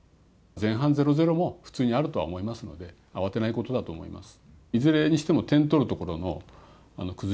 前半０・０ということも普通にあるとは思いますので、慌てないことだと思います。